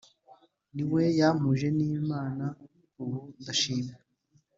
Niwe yampuje n'Imana ubu ndashima